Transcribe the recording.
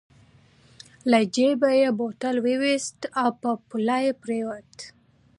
له جېبه يې بوتل واېست په پوله پرېوت.